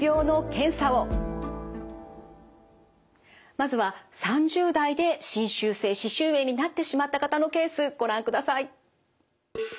まずは３０代で侵襲性歯周炎になってしまった方のケースご覧ください。